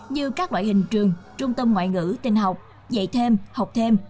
như các loại hình trường trung tâm ngoại ngữ tình học dạy thêm học thêm